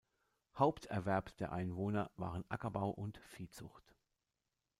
Haupterwerb der Einwohner waren Ackerbau und Viehzucht.